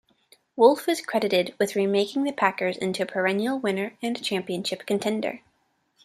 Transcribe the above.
Wolf is credited with remaking the Packers into a perennial winner and championship contender.